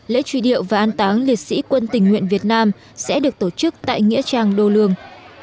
lễ truy điệu và an táng liệt sĩ quân tình nguyện việt nam sẽ được tổ chức tại nghĩa trang đô lương